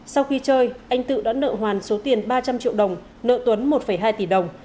sau khi chơi anh tự đã nợ hoàn số tiền ba trăm linh triệu đồng nợ tuấn một hai tỷ đồng